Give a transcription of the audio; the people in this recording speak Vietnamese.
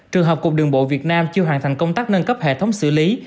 trường hợp cục đường bộ việt nam chưa hoàn thành công tác nâng cấp hệ thống xử lý